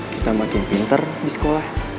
kita makin pinter di sekolah